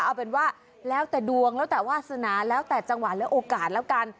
เอาเป็นว่าแล้วแต่ดวงแล้วแต่วาสนาแล้วแต่จังหวะและโอกาสแล้วกัน